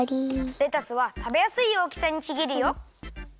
レタスはたべやすいおおきさにちぎるよ。